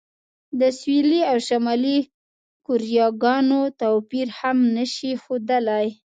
د سویلي او شمالي کوریاګانو توپیر هم نه شي ښودلی.